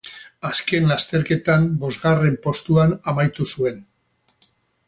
Azken lasterketan bosgarren postuan amaitu zuen.